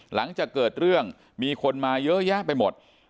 หลังจากเกิดเรื่องมีคนมาเยอะแยะไปหมด